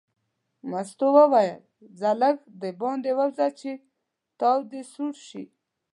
مستو وویل ځه لږ دباندې ووځه چې تاو دې سوړ شي.